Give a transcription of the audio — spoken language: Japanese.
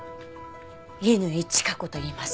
乾チカ子といいます。